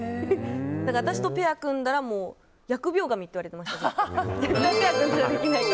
私とペア組んだらもう、疫病神って言われてました。